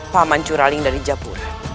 paman curaling dari japura